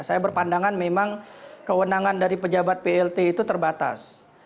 saya berpandangan memang kewenangan dari pejabat plt itu terbatas